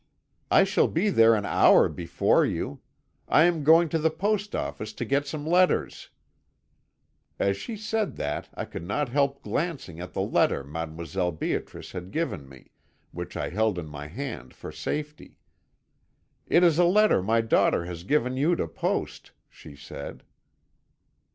"'I shall be there an hour before you; I am going to the post office to get some letters.' As she said that I could not help glancing at the letter Mdlle. Beatrice had given me, which I held in my hand for safety. 'It is a letter my daughter has given you to post,' she said.